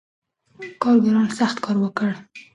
کارګرانو سخت کار وکړ.